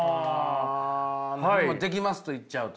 もうできますと言っちゃうと。